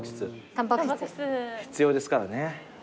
「必要ですからね」